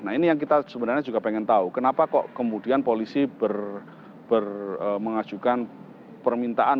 nah ini yang kita sebenarnya juga pengen tahu kenapa kok kemudian polisi mengajukan permintaan